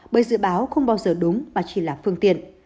bởi dự báo không bao giờ đúng và chỉ là phương tiện